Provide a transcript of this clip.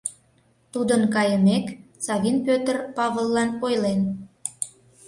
Тудын кайымек, Савин Пӧтыр Павыллан ойлен: